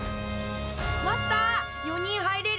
マスター４人入れる？